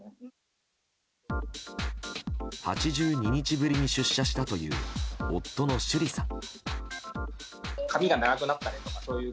８２日ぶりに出社したという夫の珠吏さん。